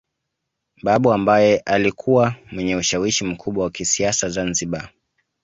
Babu ambaye alikuwa mwenye ushawishi mkubwa wa kisiasa Zanzibar